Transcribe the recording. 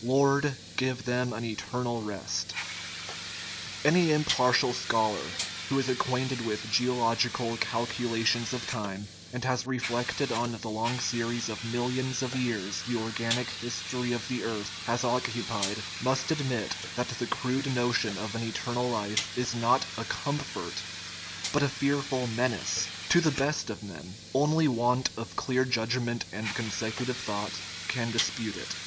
" Lord, give them an eternal rest." Any impartial scholar who is acquainted with geo logical calculations of time, and has reflected on the long series of millions of years the organic history of the earth has occupied, must admit that the crude no tion of an eternal life is not a comfort, but a fearful 207 THE RIDDLE OF THE UNIVERSE menace, to the best of men. Only want of clear judg ment and consecutive thought can dispute it.